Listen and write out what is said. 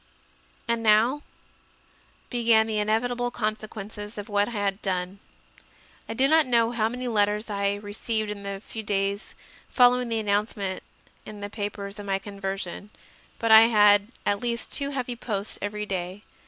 4. And now began the inevitable consequences of what I had done. I do not know how many letters I received in the few days following the announce ment in the papers of my conversion; but I had at least two heavy posts every day.